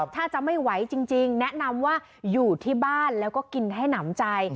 ถ้าจะไม่ไหวจริงแนะนำว่าอยู่ที่บ้านแล้วก็กินให้หนำใจ